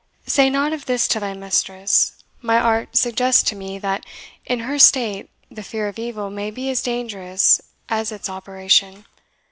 Say nought of this to thy mistress; my art suggests to me that in her state the fear of evil may be as dangerous as its operation.